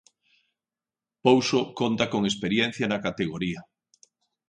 Pouso conta con experiencia na categoría.